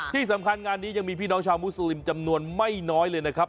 ที่สำคัญงานนี้ยังมีพี่น้องชาวมุสลิมจำนวนไม่น้อยเลยนะครับ